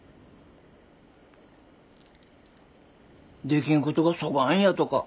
できんことがそがん嫌とか？